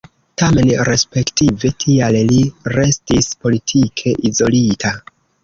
Tamen respektive tial li restis politike izolita.